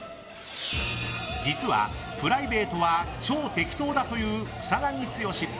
実は、プライベートは超適当だという草なぎ剛。